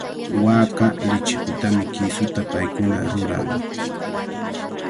Waaka lichipitami kisuta paykuna ruran.